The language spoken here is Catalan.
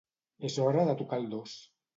És hora de tocar el dos.